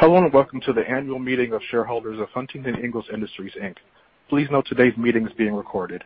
Hello and welcome to the Annual Meeting of Shareholders of Huntington Ingalls Industries, Inc. Please note today's meeting is being recorded.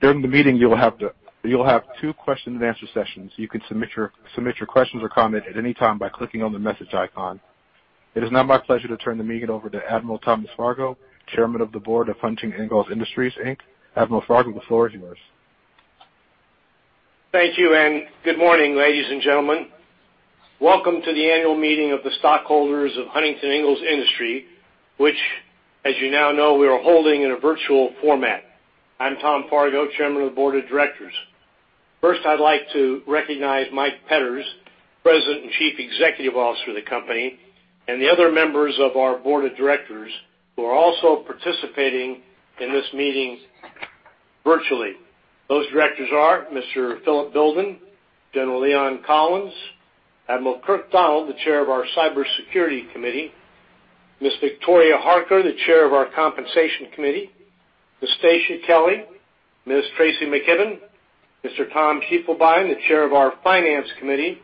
During the meeting, you'll have two question-and-answer sessions. You can submit your questions or comments at any time by clicking on the message icon. It is now my pleasure to turn the meeting over to Admiral Thomas Fargo, Chairman of the Board of Huntington Ingalls Industries, Inc. Admiral Fargo, the floor is yours. Thank you and good morning, ladies and gentlemen. Welcome to the annual meeting of the stockholders of Huntington Ingalls Industries, which, as you now know, we are holding in a virtual format. I'm Tom Fargo, Chairman of the Board of Directors. First, I'd like to recognize Mike Petters, President and Chief Executive Officer of the company, and the other members of our Board of Directors who are also participating in this meeting virtually. Those directors are Mr. Philip Bilden, General Leon Collins, Admiral Kirk Donald, the Chair of our Cybersecurity Committee, Ms. Victoria Harker, the Chair of our Compensation Committee, Ms. Stasia Kelly, Ms. Tracy McKibben, Mr. Tom Schievelbein, the Chair of our Finance Committee,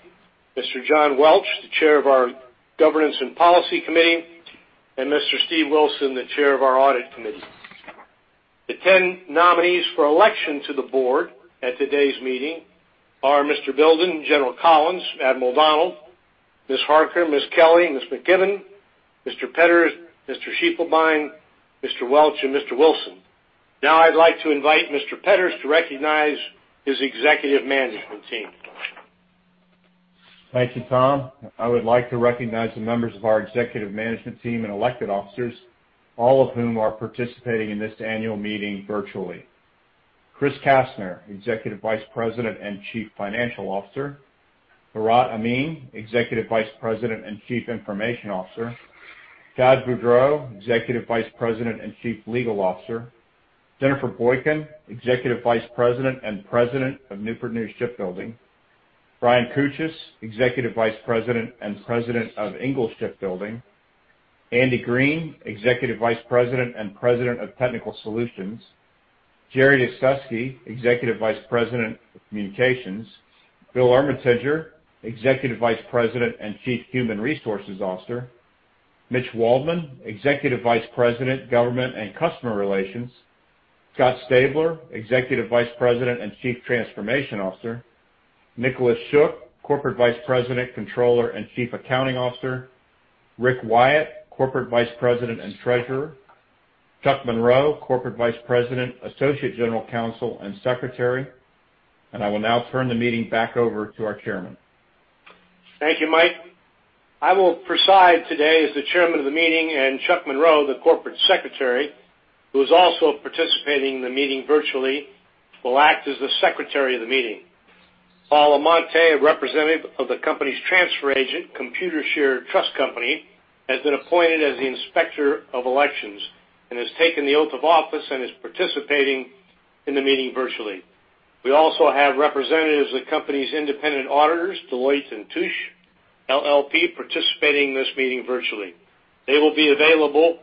Mr. John Welch, the Chair of our Governance and Policy Committee, and Mr. Steve Wilson, the Chair of our Audit Committee. The 10 nominees for election to the board at today's meeting are Mr. Bilden, General Collins, Admiral Donald, Ms. Harker, Ms. Kelly, Ms. McKibben, Mr. Petters, Mr. Schievelbein, Mr. Welch, and Mr. Wilson. Now I'd like to invite Mr. Petters to recognize his executive management team. Thank you, Tom. I would like to recognize the members of our executive management team and elected officers, all of whom are participating in this annual meeting virtually. Chris Kastner, Executive Vice President and Chief Financial Officer. Bharat Amin, Executive Vice President and Chief Information Officer. Chad Boudreaux, Executive Vice President and Chief Legal Officer. Jennifer Boykin, Executive Vice President and President of Newport News Shipbuilding. Brian Cuccias, Executive Vice President and President of Ingalls Shipbuilding. Andy Green, Executive Vice President and President of Technical Solutions. Jerri Dickseski, Executive Vice President of Communications. Bill Ermatinger, Executive Vice President and Chief Human Resources Officer. Mitch Waldman, Executive Vice President, Government and Customer Relations. Scott Stabler, Executive Vice President and Chief Transformation Officer. Nicolas Schuck, Corporate Vice President, Controller, and Chief Accounting Officer. Rick Wyatt, Corporate Vice President and Treasurer. Chuck Monroe, Corporate Vice President, Associate General Counsel, and Secretary. I will now turn the meeting back over to our Chairman. Thank you, Mike. I will preside today as the Chairman of the meeting, and Chuck Monroe, the Corporate Secretary, who is also participating in the meeting virtually, will act as the Secretary of the meeting. Paul Amante, a representative of the company's transfer agent, Computershare Trust Company, has been appointed as the Inspector of Elections and has taken the oath of office and is participating in the meeting virtually. We also have representatives of the company's independent auditors, Deloitte & Touche LLP, participating in this meeting virtually. They will be available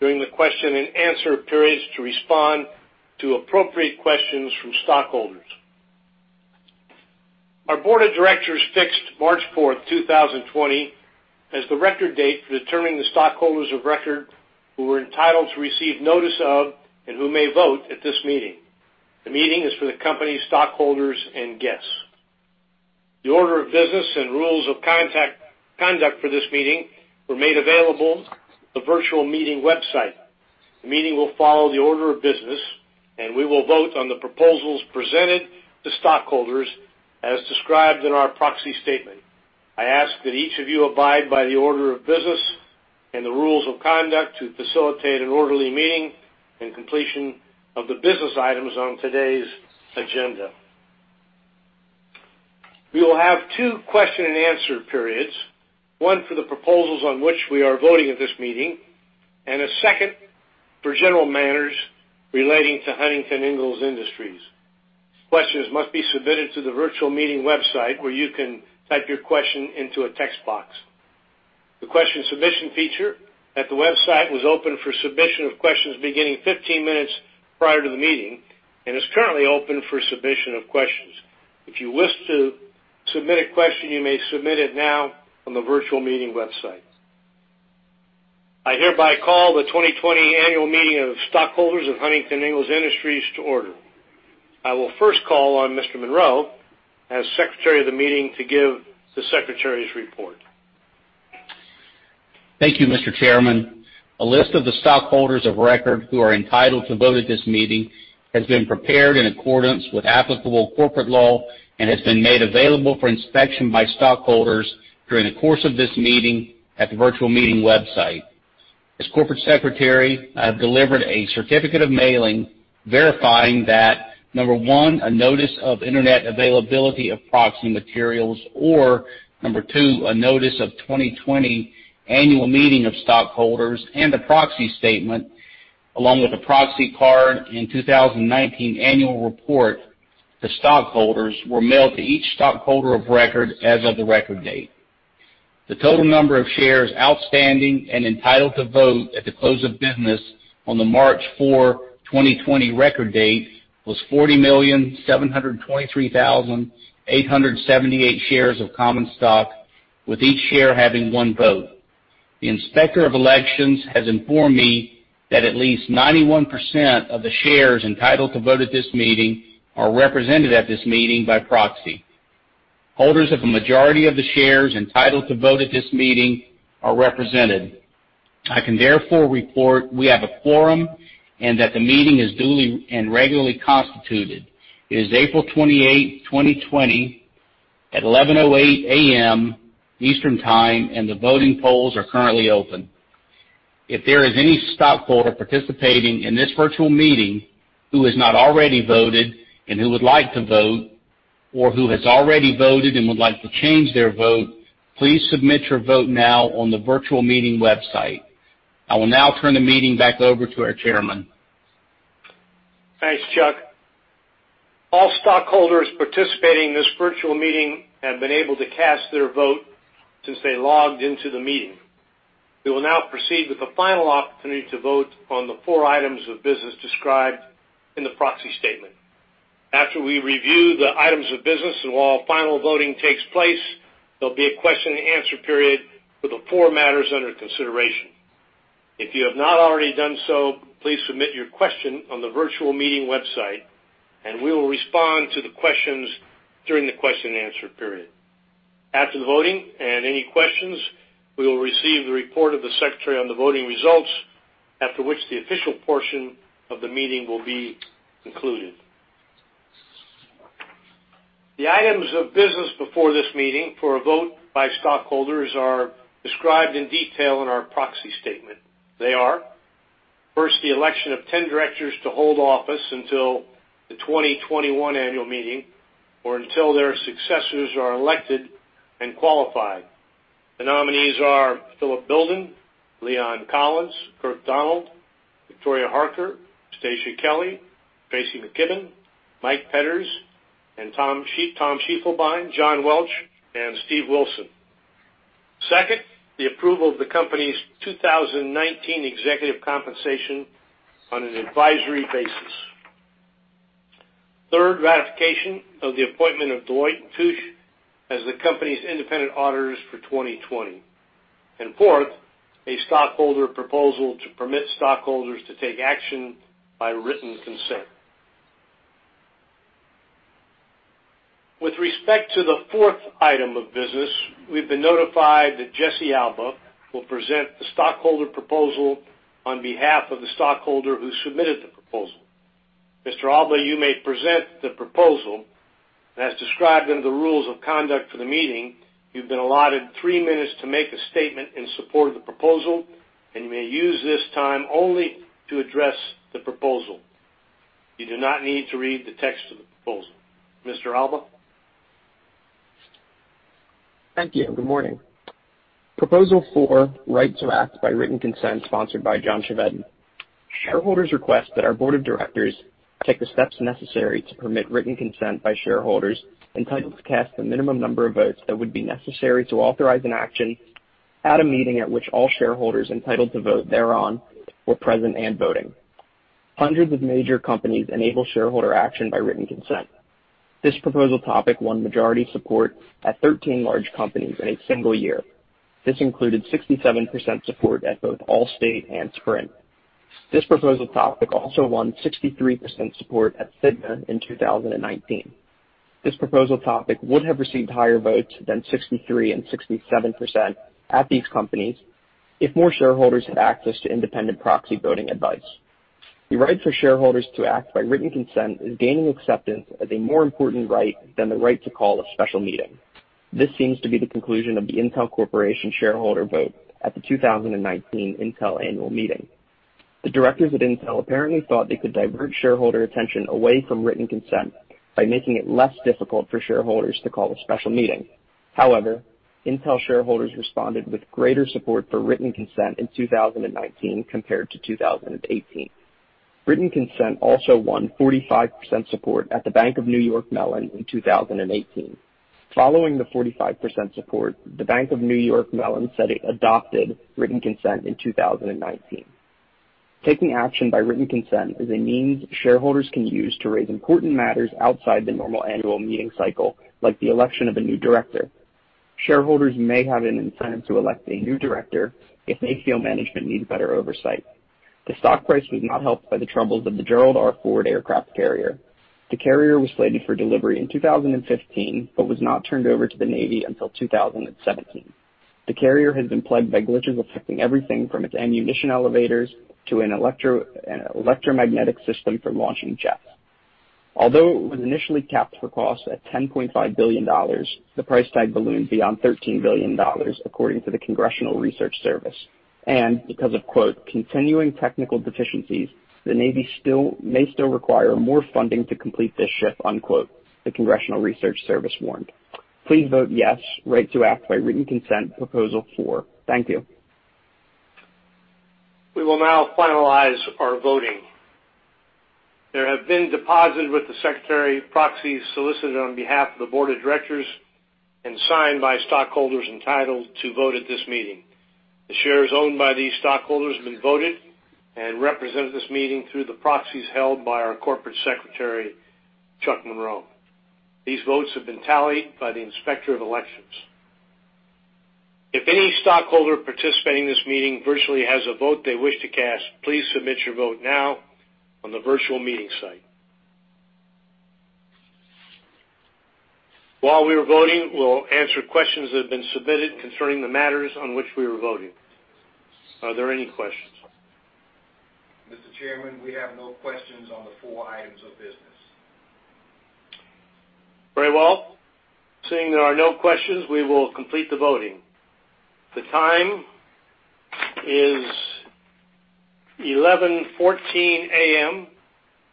during the question and answer periods to respond to appropriate questions from stockholders. Our Board of Directors fixed March 4, 2020, as the record date for determining the stockholders of record who were entitled to receive notice of and who may vote at this meeting. The meeting is for the company's stockholders and guests. The order of business and rules of conduct for this meeting were made available on the virtual meeting website. The meeting will follow the order of business, and we will vote on the proposals presented to stockholders as described in our proxy statement. I ask that each of you abide by the order of business and the rules of conduct to facilitate an orderly meeting and completion of the business items on today's agenda. We will have two question and answer periods: one for the proposals on which we are voting at this meeting and a second for general matters relating to Huntington Ingalls Industries. Questions must be submitted to the virtual meeting website where you can type your question into a text box. The question submission feature at the website was open for submission of questions beginning 15 minutes prior to the meeting and is currently open for submission of questions. If you wish to submit a question, you may submit it now on the virtual meeting website. I hereby call the 2020 Annual Meeting of Stockholders of Huntington Ingalls Industries to order. I will first call on Mr. Monroe as Secretary of the meeting to give the Secretary's report. Thank you, Mr. Chairman. A list of the stockholders of record who are entitled to vote at this meeting has been prepared in accordance with applicable corporate law and has been made available for inspection by stockholders during the course of this meeting at the virtual meeting website. As Corporate Secretary, I have delivered a certificate of mailing verifying that, number one, a Notice of Internet Availability of proxy materials, or number two, a Notice of 2020 Annual Meeting of Stockholders and a proxy statement, along with a proxy card and 2019 Annual Report to stockholders were mailed to each stockholder of record as of the record date. The total number of shares outstanding and entitled to vote at the close of business on the March 4, 2020, record date was 40,723,878 shares of common stock, with each share having one vote. The Inspector of Elections has informed me that at least 91% of the shares entitled to vote at this meeting are represented at this meeting by proxy. Holders of a majority of the shares entitled to vote at this meeting are represented. I can therefore report we have a quorum and that the meeting is duly and regularly constituted. It is April 28, 2020, at 11:08 A.M. Eastern Time, and the voting polls are currently open. If there is any stockholder participating in this virtual meeting who has not already voted and who would like to vote, or who has already voted and would like to change their vote, please submit your vote now on the virtual meeting website. I will now turn the meeting back over to our Chairman. Thanks, Chuck. All stockholders participating in this virtual meeting have been able to cast their vote since they logged into the meeting. We will now proceed with the final opportunity to vote on the four items of business described in the proxy statement. After we review the items of business and while final voting takes place, there'll be a question and answer period for the four matters under consideration. If you have not already done so, please submit your question on the virtual meeting website, and we will respond to the questions during the question and answer period. After the voting and any questions, we will receive the report of the Secretary on the voting results, after which the official portion of the meeting will be concluded. The items of business before this meeting for a vote by stockholders are described in detail in our proxy statement. They are, first, the election of 10 directors to hold office until the 2021 Annual Meeting or until their successors are elected and qualified. The nominees are Philip Bilden, Leon Collins, Kirk Donald, Victoria Harker, Stasia Kelly, Tracy McKibben, Mike Petters, and Tom Schievelbein, John Welch, and Steve Wilson. Second, the approval of the company's 2019 executive compensation on an advisory basis. Third, ratification of the appointment of Deloitte & Touche as the company's independent auditors for 2020. And fourth, a stockholder proposal to permit stockholders to take action by written consent. With respect to the fourth item of business, we've been notified that Jesse Alba will present the stockholder proposal on behalf of the stockholder who submitted the proposal. Mr. Alba, you may present the proposal. As described under the rules of conduct for the meeting, you've been allotted three minutes to make a statement in support of the proposal, and you may use this time only to address the proposal. You do not need to read the text of the proposal. Mr. Alba? Thank you. Good morning. Proposal 4, Right to Act by Written Consent, sponsored by John Chevedden. Shareholders request that our Board of Directors take the steps necessary to permit written consent by shareholders entitled to cast the minimum number of votes that would be necessary to authorize an action at a meeting at which all shareholders entitled to vote thereon were present and voting. Hundreds of major companies enable shareholder action by written consent. This proposal topic won majority support at 13 large companies in a single year. This included 67% support at both Allstate and Sprint. This proposal topic also won 63% support at Fortive in 2019. This proposal topic would have received higher votes than 63% and 67% at these companies if more shareholders had access to independent proxy voting advice. The right for shareholders to act by written consent is gaining acceptance as a more important right than the right to call a special meeting. This seems to be the conclusion of the Intel Corporation shareholder vote at the 2019 Intel Annual Meeting. The directors at Intel apparently thought they could divert shareholder attention away from written consent by making it less difficult for shareholders to call a special meeting. However, Intel shareholders responded with greater support for written consent in 2019 compared to 2018. Written consent also won 45% support at the Bank of New York Mellon in 2018. Following the 45% support, the Bank of New York Mellon said it adopted written consent in 2019. Taking action by written consent is a means shareholders can use to raise important matters outside the normal annual meeting cycle, like the election of a new director. Shareholders may have an incentive to elect a new director if they feel management needs better oversight. The stock price was not helped by the troubles of the Gerald R. Ford aircraft carrier. The carrier was slated for delivery in 2015 but was not turned over to the Navy until 2017. The carrier has been plagued by glitches affecting everything from its ammunition elevators to an electromagnetic system for launching jets. Although it was initially capped for cost at $10.5 billion, the price tag ballooned beyond $13 billion, according to the Congressional Research Service, and because of, quote, "continuing technical deficiencies, the Navy may still require more funding to complete this ship," unquote, the Congressional Research Service warned. Please vote yes, right to act by written consent proposal 4. Thank you. We will now finalize our voting. There have been deposited with the Secretary proxies solicited on behalf of the Board of Directors and signed by stockholders entitled to vote at this meeting. The shares owned by these stockholders have been voted and represented at this meeting through the proxies held by our Corporate Secretary, Chuck Monroe. These votes have been tallied by the Inspector of Elections. If any stockholder participating in this meeting virtually has a vote they wish to cast, please submit your vote now on the virtual meeting site. While we are voting, we'll answer questions that have been submitted concerning the matters on which we are voting. Are there any questions? Mr. Chairman, we have no questions on the four items of business. Very well. Seeing there are no questions, we will complete the voting. The time is 11:14 A.M.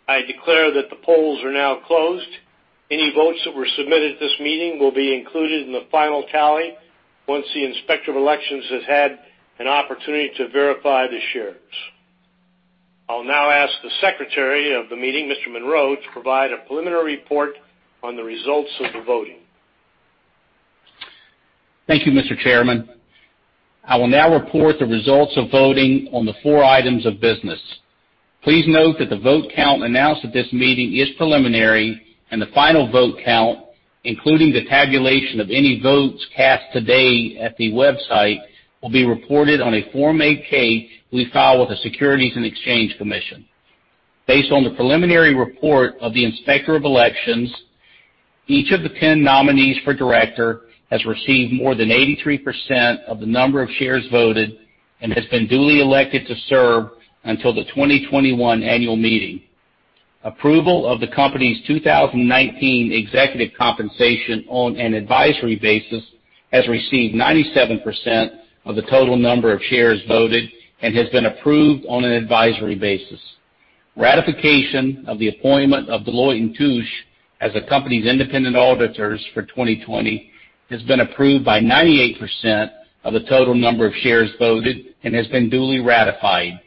I declare that the polls are now closed. Any votes that were submitted at this meeting will be included in the final tally once the Inspector of Elections has had an opportunity to verify the shares. I'll now ask the Secretary of the meeting, Mr. Monroe, to provide a preliminary report on the results of the voting. Thank you, Mr. Chairman. I will now report the results of voting on the four items of business. Please note that the vote count announced at this meeting is preliminary, and the final vote count, including the tabulation of any votes cast today at the website, will be reported on a Form 8-K we file with the Securities and Exchange Commission. Based on the preliminary report of the Inspector of Elections, each of the 10 nominees for director has received more than 83% of the number of shares voted and has been duly elected to serve until the 2021 Annual Meeting. Approval of the company's 2019 executive compensation on an advisory basis has received 97% of the total number of shares voted and has been approved on an advisory basis. Ratification of the appointment of Deloitte & Touche as the company's independent auditors for 2020 has been approved by 98% of the total number of shares voted and has been duly ratified.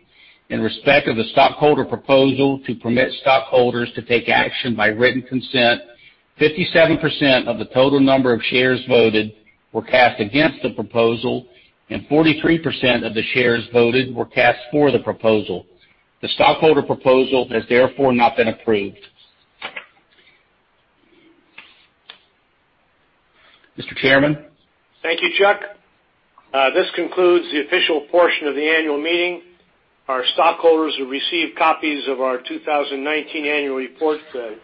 In respect of the stockholder proposal to permit stockholders to take action by written consent, 57% of the total number of shares voted were cast against the proposal, and 43% of the shares voted were cast for the proposal. The stockholder proposal has therefore not been approved. Mr. Chairman? Thank you, Chuck. This concludes the official portion of the Annual Meeting. Our stockholders have received copies of our 2019 Annual Report to the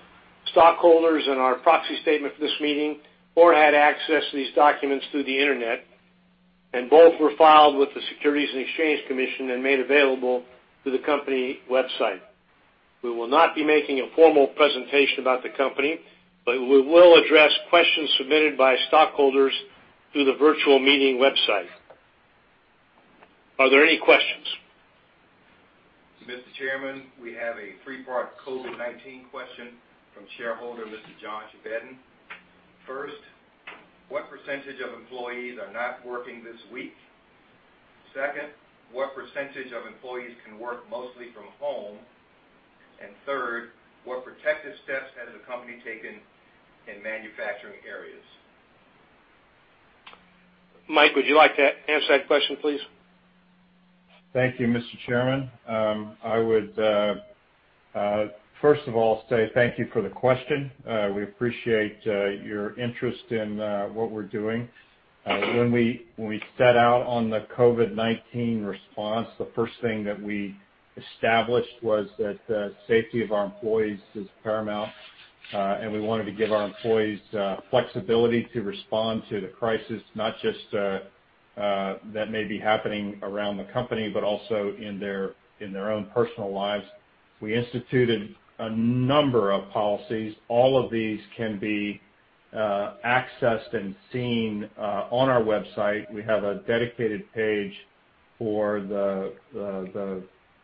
stockholders, and our proxy statement for this meeting, or had access to these documents through the internet, and both were filed with the Securities and Exchange Commission and made available through the company website. We will not be making a formal presentation about the company, but we will address questions submitted by stockholders through the virtual meeting website. Are there any questions? Mr. Chairman, we have a three-part COVID-19 question from shareholder Mr. John Chevedden. First, what percentage of employees are not working this week? Second, what percentage of employees can work mostly from home? And third, what protective steps has the company taken in manufacturing areas? Mike, would you like to answer that question, please? Thank you, Mr. Chairman. I would, first of all, say thank you for the question. We appreciate your interest in what we're doing. When we set out on the COVID-19 response, the first thing that we established was that the safety of our employees is paramount, and we wanted to give our employees flexibility to respond to the crisis, not just that may be happening around the company, but also in their own personal lives. We instituted a number of policies. All of these can be accessed and seen on our website. We have a dedicated page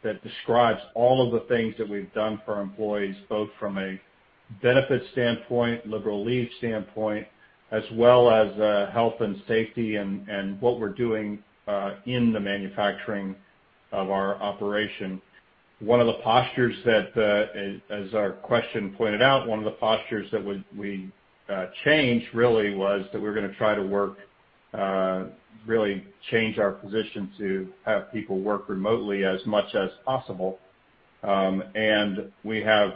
that describes all of the things that we've done for our employees, both from a benefit standpoint, liberal leave standpoint, as well as health and safety and what we're doing in the manufacturing of our operation. One of the postures that, as our question pointed out, we changed really was that we're going to try to work, really change our position to have people work remotely as much as possible. And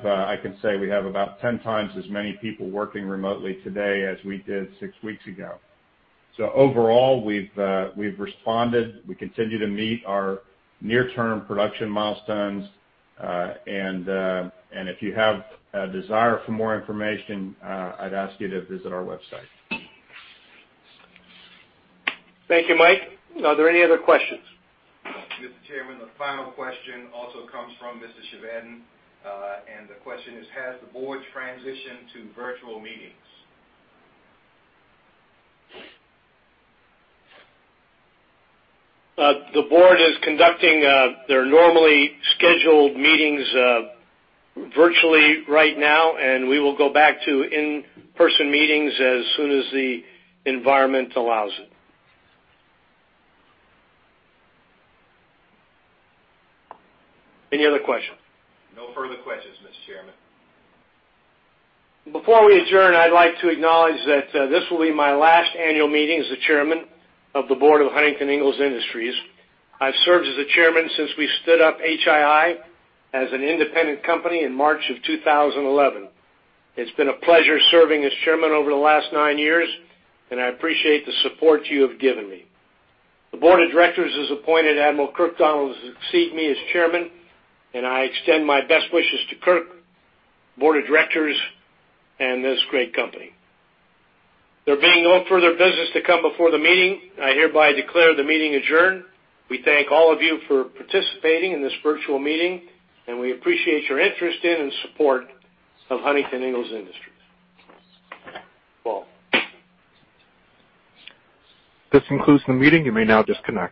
I can say we have about 10 times as many people working remotely today as we did six weeks ago. So overall, we've responded. We continue to meet our near-term production milestones, and if you have a desire for more information, I'd ask you to visit our website. Thank you, Mike. Are there any other questions? Mr. Chairman, the final question also comes from Mr. Chevedden, and the question is, has the board transitioned to virtual meetings? The board is conducting their normally scheduled meetings virtually right now, and we will go back to in-person meetings as soon as the environment allows it. Any other questions? No further questions, Mr. Chairman. Before we adjourn, I'd like to acknowledge that this will be my last Annual Meeting as the Chairman of the Board of Huntington Ingalls Industries. I've served as the Chairman since we stood up HII as an independent company in March of 2011. It's been a pleasure serving as Chairman over the last nine years, and I appreciate the support you have given me. The Board of Directors has appointed Admiral Kirk Donald to succeed me as Chairman, and I extend my best wishes to Kirk, the Board of Directors, and this great company. There being no further business to come before the meeting, I hereby declare the meeting adjourned. We thank all of you for participating in this virtual meeting, and we appreciate your interest in and support of Huntington Ingalls Industries. This concludes the meeting. You may now disconnect.